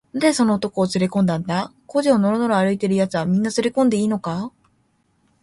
「なぜその男をつれこんだんだ？小路をのろのろ歩いているやつは、みんなつれこんでいいのか？」